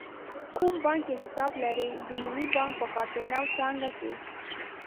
کوم بانک کې حساب لرئ؟ د ملی بانک په کارته نو څانګه کښی